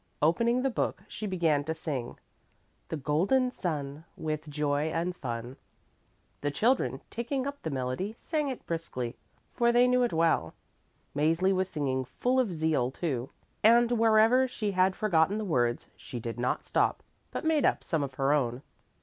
Opening the book, she began to sing "The golden sun with joy and fun." The children taking up the melody sang it briskly, for they knew it well. Mäzli was singing full of zeal, too, and wherever she had forgotten the words, she did not stop, but made up some of her own.